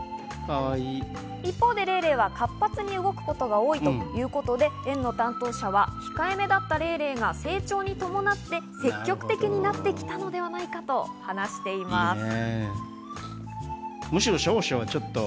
一方でレイレイは活発に動くことが多いということで、園の担当者は控えめだったレイレイが成長に伴って、積極的になってきたのではないかと話しています。